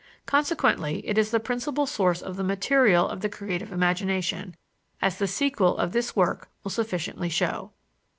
Consequently it is the principal source of the material of the creative imagination, as the sequel of this work will sufficiently show.